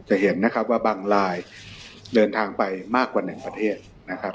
จะเห็นนะครับว่าบางลายเดินทางไปมากกว่าหนึ่งประเทศนะครับ